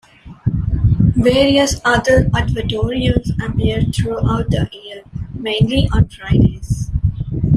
Various other advertorials appear throughout the year, mainly on Fridays.